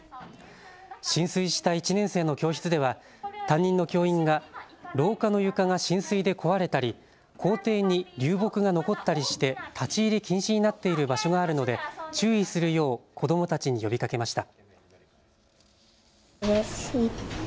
浸水した１年生の教室では担任の教員が廊下の床が浸水で壊れたり校庭に流木が残ったりして立ち入り禁止になっている場所があるので注意するよう子どもたちに呼びかけました。